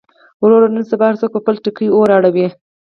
وروره نن سبا هر څوک پر خپله ټکۍ اور اړوي.